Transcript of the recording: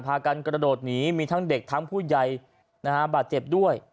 พากันกระโดดหนีมีทั้งเด็กทั้งผู้ใหญ่บาดเจ็บด้วย